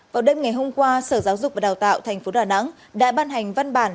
vào đêm ngày hôm qua sở giáo dục và đào tạo tp đà nẵng đã ban hành văn bản